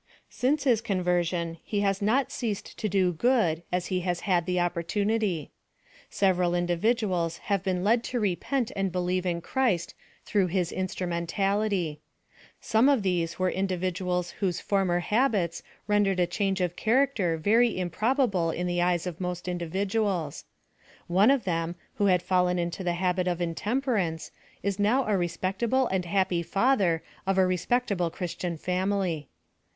Since his conversion he has not ceased to do good as he has had opportunity. Several individuals have been led to repent and be lieve in Christ through his instrumentality. Some of these were individuals whose former habits ren dered a change of character very improbable in the eyes of most individuals. (One of them, who bad fallen into the habit of intemperance, is now a re spectable and happy father of a respectable christian family.)